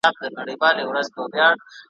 دا زوی مړې بله ورځ به کله وي `